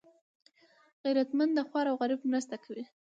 غیرتمند د خوار او غریب مرسته کوي